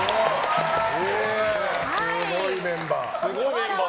すごいメンバー。